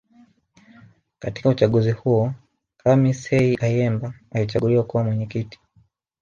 Katika uchaguzi huo Khamis Heri Ayemba alichaguliwa kuwa Mwenyekiti